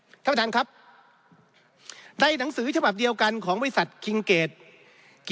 ท่านพระรามพระรักษ์ครับในหนังสือฉบับเดียวกันของวิสัตว์คิงเกรด